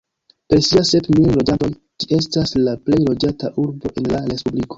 Per sia sep mil loĝantoj ĝi estas la plej loĝata urbo en la respubliko.